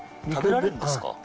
食べられるんですか？